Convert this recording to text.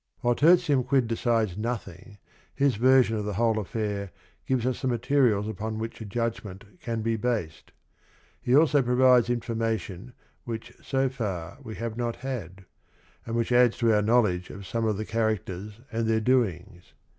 While Tertium Quid decides nothing his version of the whole attair gives us the materials upon whicna judgmeni can be based. He also pro vides information whic h so far we have not h aid, and which adds to our knowledge of some of the characters and their doings.